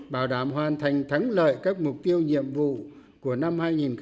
bảo đảm hoàn thành thắng lợi các mục tiêu nhiệm vụ của năm hai nghìn một mươi chín